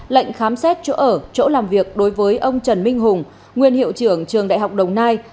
lệnh khám xét chỗ ở chỗ làm việc đối với ông trần minh hùng nguyên hiệu trưởng trường đại học đồng nai